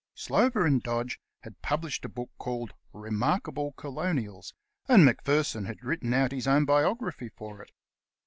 Sloper and Dodge had published a book called "Remark able Colonials," and Macpherson had written out his own biography for it.